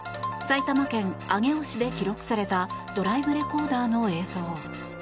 埼玉県上尾市で記録されたドライブレコーダーの映像。